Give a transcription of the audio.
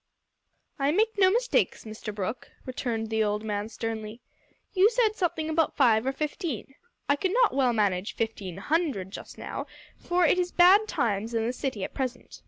"I make no mistakes, Mr Brooke," returned the old man sternly. "You said something about five or fifteen. I could not well manage fifteen hundred just now, for it is bad times in the city at present.